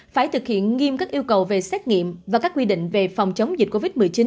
phải thực hiện nghiêm các yêu cầu về xét nghiệm và các quy định về phòng chống dịch covid một mươi chín